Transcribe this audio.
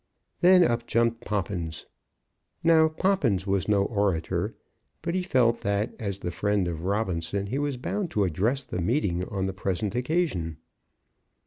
Then up jumped Poppins. Now Poppins was no orator, but he felt that as the friend of Robinson, he was bound to address the meeting on the present occasion.